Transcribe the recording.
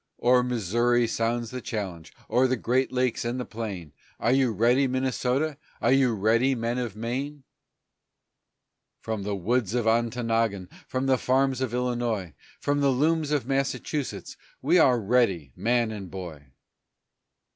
O'er Missouri sounds the challenge O'er the great lakes and the plain; "Are you ready, Minnesota? Are you ready, men of Maine?" From the woods of Ontonagon, From the farms of Illinois, From the looms of Massachusetts, "We are ready, man and boy."